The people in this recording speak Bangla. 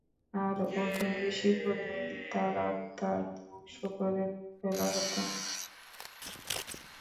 আর ওজন বেশি হলে তার আত্মা ধ্বংস করে ফেলা হত।